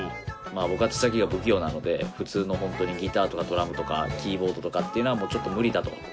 僕は手先が不器用なんで、普通の本当にギターとかドラムとか、キーボードとかっていうのはもうちょっと無理だと。